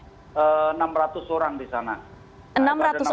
jadi ada sekitar enam ratus orang di sana jadi ada sekitar enam ratus orang di sana